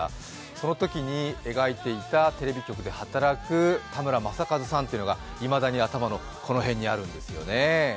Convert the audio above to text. そのときに描いていたテレビ局で働く田村正和さんというのがいまだに頭のこの辺にあるんですよね。